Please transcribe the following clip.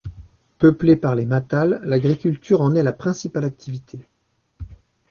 Peuplé par les Matal, l'agriculture en est la principale activité.